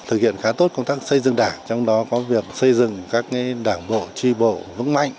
thực hiện khá tốt công tác xây dựng đảng trong đó có việc xây dựng các đảng bộ tri bộ vững mạnh